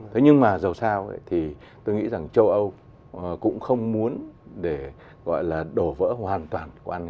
thế nhưng mà dù sao thì tôi nghĩ rằng châu âu cũng không muốn để gọi là đổ vỡ hoàn toàn